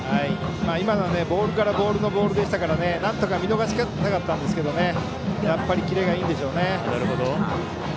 今のボールからボールのボールでしたからなんとか見逃したかったんですがやっぱりキレがいいんでしょうね。